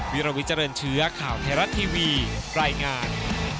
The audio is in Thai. วิรวิจรรย์เชื้อข่าวเทราสตร์ทีวีรายงาน